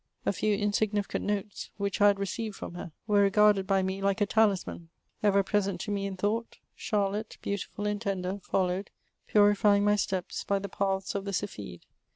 A few insignificant notes, which I had received from ner, were regarded by me like a talisman ; ever present to me in thought, Charlotte, beautiful and tender, foUowed, purifying my steps, by the paths of the SyljJbide.